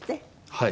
はい。